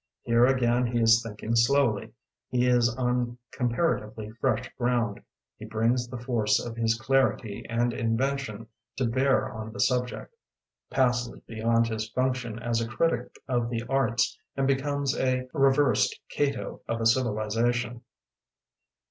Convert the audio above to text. Here again he is thinking slowly, he is on comparatively fresh ground, he brings the force of his clarity and invention to bear on the subject — ^passes beyond his function as a critic of the arts and becomes a re versed Cato of a civilization.